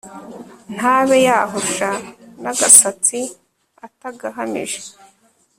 ntabe yahusha n'agasatsi atagahamije